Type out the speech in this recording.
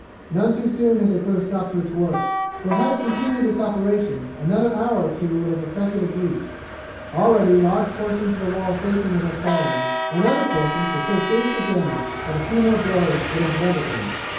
None too soon had they put a stop to its work, for had it continued its operations another hour or two would have effected a breach. Already large portions of the wall facing it had fallen, and other portions were so seriously damaged that a few more blows would have levelled them.